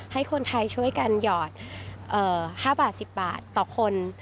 ให้คนไทยช่วยกันหยอด๕บาท๑๐บาทต่อคน